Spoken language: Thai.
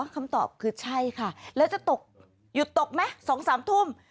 คำตอบคือใช่ค่ะแล้วจะตกหยุดตกไหม๒๓ทุ่ม